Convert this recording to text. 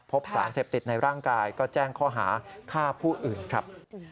พบสารเสพติดในร่างกายก็แจ้งข้อหาฆ่าผู้อื่นครับ